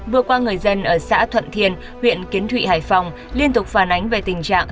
vừa qua người dân ở xã thuận thiền huyện kiến thụy hải phòng liên tục phản ánh về tình trạng